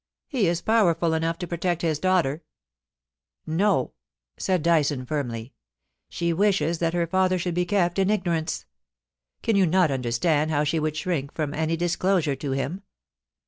He is powerful enough to protect his daughter.' *No,' said Dyson, firmly. *She wishes that her father should be kept in ignorance. Can you not understand how she would shrink from any disclosure to him